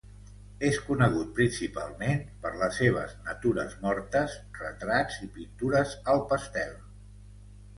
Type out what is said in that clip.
És conegut principalment per les seves natures mortes, retrats i pintures al pastel.